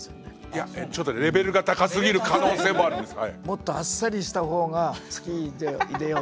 いやちょっとレベルが高すぎる可能性もあります。